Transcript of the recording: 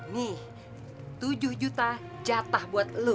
nih tujuh juta jatah buat lo